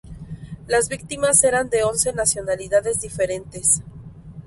Las víctimas eran de once nacionalidades diferentes.